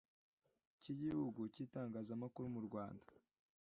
Cy igihugu cy itangazamakuru mu rwanda